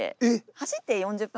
走って４０分。